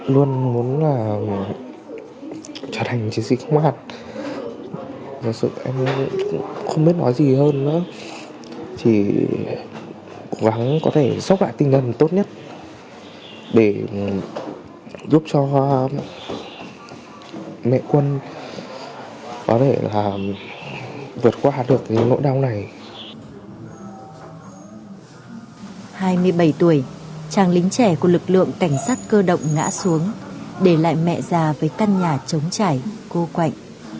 lính trẻ của lực lượng cảnh sát cơ động ngã xuống để lại mẹ già với căn nhà chống chảy cô quạnh